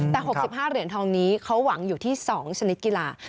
แต่๖๕เหรียญทองนี้เขาหวังอยู่ที่๒ชนิดกีฬา